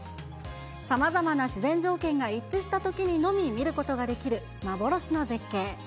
さまざまな自然条件が一致したときにのみ見ることができる幻の絶景。